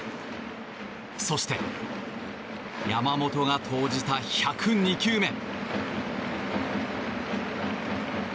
そして、山本が投じた１０２球目。